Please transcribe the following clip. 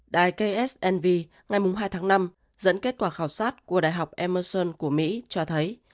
đài ksnv ngày hai tháng năm dẫn kết quả khảo sát của đại học emerson của mỹ cho thấy